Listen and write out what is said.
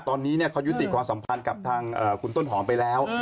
ตอนนี้เขายุติความสัมพันธ์กับทางคุณต้นหอมไปแล้ว